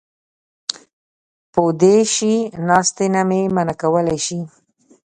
پو دې شي ناستې نه مې منع کولی شي.